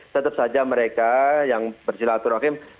tetap saja mereka yang bersilaturahim